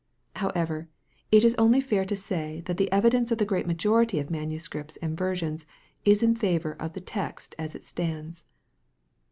However, it is only fair to say that the evidence of the great majority of manuscripts and versions ia in favor of the text as it stands.